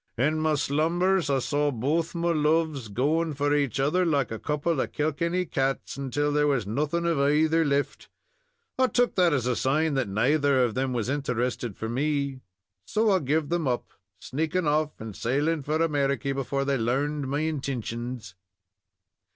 "In my slumbers, I saw both my loves going for each other like a couple of Kilkenny cats, until there was nothing of aither lift. I took that as a sign that naither of 'em was interested for me, and so I give them up, sneaking off and sailing for Ameriky before they learned my intintions."